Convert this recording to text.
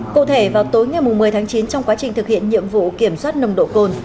cụ thể vào tối ngày một mươi tháng chín trong quá trình thực hiện nhiệm vụ kiểm soát nồng độ cồn